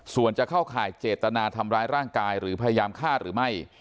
ส่วนจะเข้าข่ายเจตนาทำร้ายร่างกายหรือพยายามฆ่าหรือไม่